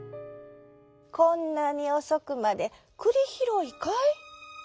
こんなにおそくまでくりひろいかい？」。